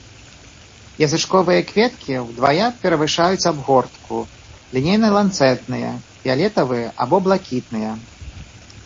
Язычковыя кветкі ўдвая перавышаюць абгортку, лінейна-ланцэтныя, фіялетавыя або блакітныя.